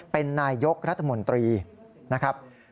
เป็นนายยกรัฐมนตรีนะครับ